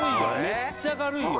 めっちゃ軽いよ